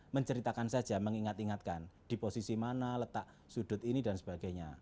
menceritakan saja mengingat ingatkan di posisi mana letak sudut ini dan sebagainya